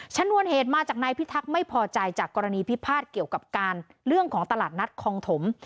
ชนวนเหตุมาจากนายพิทักษ์ไม่พอใจจากกรณีพิพาทเกี่ยวกับการเรื่องของตลาดนัดคองถม